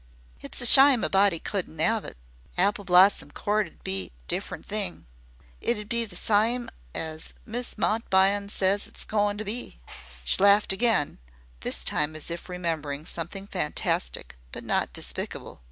"It's a shime a body couldn't 'ave it. Apple Blossom Court 'd be a different thing. It'd be the sime as Miss Montaubyn says it's goin' to be." She laughed again, this time as if remembering something fantastic, but not despicable.